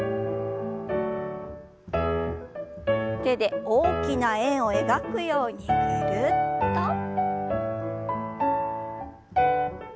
手で大きな円を描くようにぐるっと。